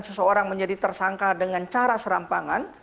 seseorang menjadi tersangka dengan cara serampangan